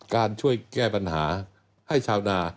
การช่วยแก้ปัญหาให้ชาวนา